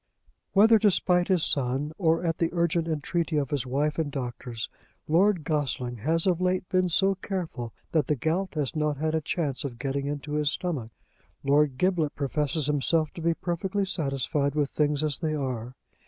Whether to spite his son, or at the urgent entreaty of his wife and doctors, Lord Gossling has of late been so careful, that the gout has not had a chance of getting into his stomach. Lord Giblet professes himself to be perfectly satisfied with things as they are.